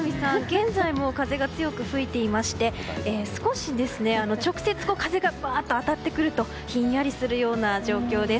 現在も風が強く吹いていまして少し、直接風が当たってくるとひんやりするような状況です。